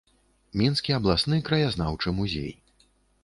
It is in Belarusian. Мінскі абласны краязнаўчы музей.